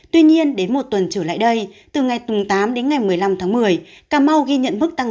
tuy nhiên đến một tuần trở lại đây từ ngày tám đến ngày một mươi năm tháng một mươi